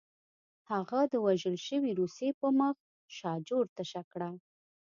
هغه د وژل شوي روسي په مخ شاجور تشه کړه